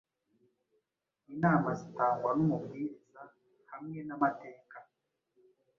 inama zitangwa nUmubwirizahamwe namateka